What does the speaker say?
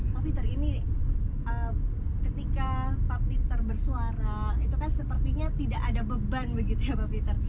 pak peter ini ketika pak peter bersuara itu kan sepertinya tidak ada beban begitu ya pak peter